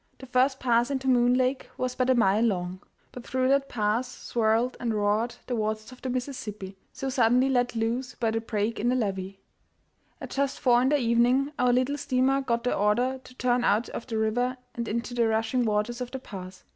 The first pass into Moon Lake was but a mile long. But through that pass swirled and roared the waters of the Mississippi, so suddenly let loose by the break in the levee. At just four in the evening our little steamer got the order to turn out of the river and into the rushing waters of the pass.